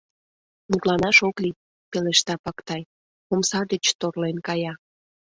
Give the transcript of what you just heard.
— Мутланаш ок лий, — пелешта Пактай, омса деч торлен кая.